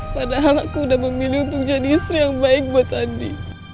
padahal aku udah memilih untuk jadi istri yang baik buat andi